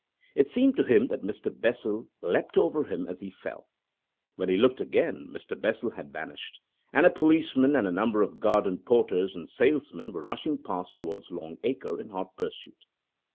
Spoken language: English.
It seemed to him that Mr. Bessel leapt over him as he fell. When he looked again Mr. Bessel had vanished, and a policeman and a number of garden porters and salesmen were rushing past towards Long Acre in hot pursuit.